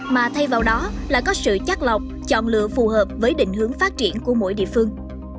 mà thay vào đó là có sự chắc lọc chọn lựa phù hợp với định hướng phát triển của mỗi địa phương